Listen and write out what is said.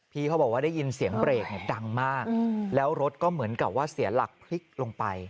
เขาบอกว่าได้ยินเสียงเบรกเนี่ยดังมากแล้วรถก็เหมือนกับว่าเสียหลักพลิกลงไป